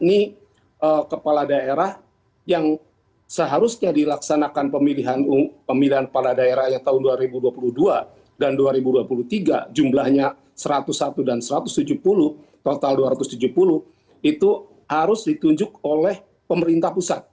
ini kepala daerah yang seharusnya dilaksanakan pemilihan kepala daerah tahun dua ribu dua puluh dua dan dua ribu dua puluh tiga jumlahnya satu ratus satu dan satu ratus tujuh puluh total dua ratus tujuh puluh itu harus ditunjuk oleh pemerintah pusat